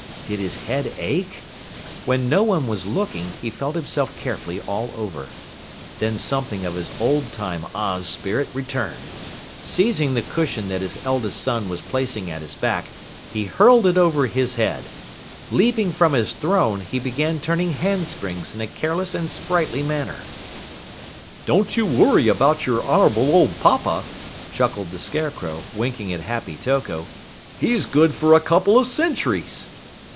Did his head ache? When no one was looking, he felt himself carefully all over. Then something of his old time Oz spirit returned. Seizing the cushion that his eldest son was placing at his back, he hurled it over his head. Leaping from his throne, he began turning handsprings in a careless and sprightly manner. "Don't you worry about your honorable old papa," chuckled the Scarecrow, winking at Happy Toko. "He's good for a couple of centuries!"